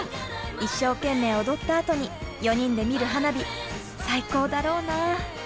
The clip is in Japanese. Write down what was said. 一生懸命踊ったあとに４人で見る花火最高だろうな。